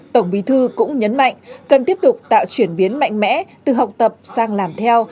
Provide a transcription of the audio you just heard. tổng bí thư cũng nhấn mạnh cần tiếp tục tạo chuyển biến mạnh mẽ từ học tập sang làm theo